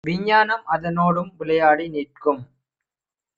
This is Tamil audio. விஞ்ஞானம் அதனோடும் விளையாடி நிற்கும் ;